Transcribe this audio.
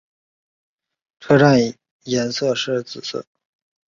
车站颜色是紫色。